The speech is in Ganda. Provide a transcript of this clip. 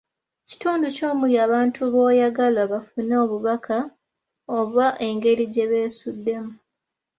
Kitundu ki omuli abantu b'oyagala bafune obubaka oba engeri gye beesuddemu,